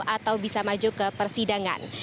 atau bisa maju ke persidangan